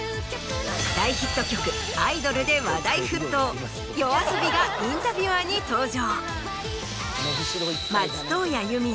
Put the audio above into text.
大ヒット曲『アイドル』で話題沸騰ＹＯＡＳＯＢＩが「インタビュアー」に登場。